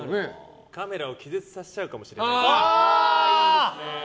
カメラを気絶させちゃうかもしれない。